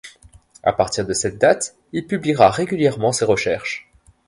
À partir de cette date, il publiera régulièrement ses recherches.